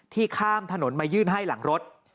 ข้ามถนนมายื่นให้หลังรถ